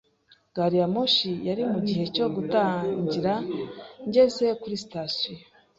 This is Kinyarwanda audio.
Gari ya moshi yari mugihe cyo gutangira ngeze kuri sitasiyo.